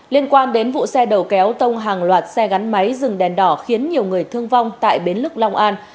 liên quan đến vụ xe đầu kéo tông hàng loạt xe gắn máy dừng đèn đỏ khiến nhiều người thương vong tại bến lức long an